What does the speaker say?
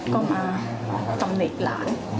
ก็มาจำเหล็กหลาน